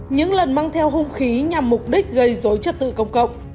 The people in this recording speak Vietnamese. những lần mang theo hung khí nhằm mục đích gây dối trật tự công cộng